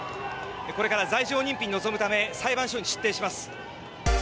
これから罪状認否に臨むため裁判所に出廷します。